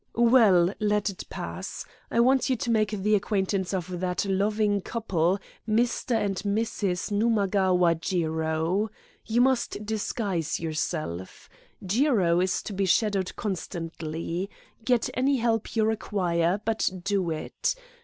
"Well, let it pass. I want you to make the acquaintance of that loving couple, Mr. and Mrs. Numagawa Jiro. You must disguise yourself. Jiro is to be shadowed constantly. Get any help you require, but do it.